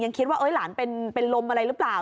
คิดว่าหลานเป็นลมอะไรหรือเปล่า